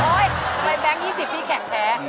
โอ๊ยไปแบงก์๒๐พี่แขกแพ้